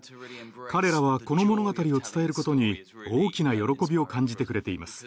彼らはこの物語を伝えることに大きな喜びを感じてくれています。